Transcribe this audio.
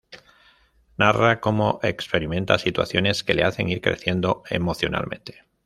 Narra cómo experimenta situaciones que le hacen ir creciendo emocionalmente.